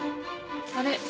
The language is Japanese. あれ？